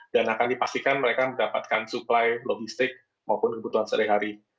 dan akan dipastikan mereka mendapatkan supply logistik maupun kebutuhan serai hari